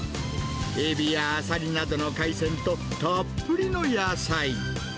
エビやアサリなどの海鮮と、たっぷりの野菜。